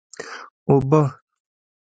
اوبه!